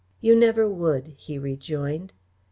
"You never would," he rejoined.